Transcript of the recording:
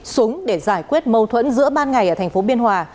súng để giải quyết mâu thuẫn giữa ban ngày ở tp biên hòa